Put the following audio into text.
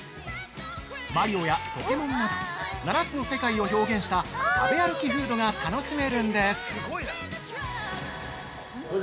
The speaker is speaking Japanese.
マリオやポケモンなど７つの世界を表現した食べ歩きフードが楽しめるんです！